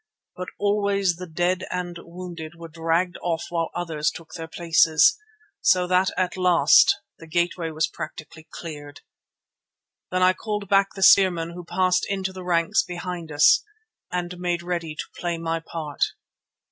But always the dead and wounded were dragged off while others took their places, so that at last the gateway was practically cleared. Then I called back the spearmen who passed into the ranks behind us, and made ready to play my part.